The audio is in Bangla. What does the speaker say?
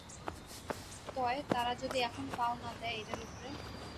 তয়, তারা যদি এহন পাও না দেয় এইডার উপ্রে?